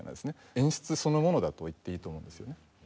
演出そのものだと言っていいと思うんですよね。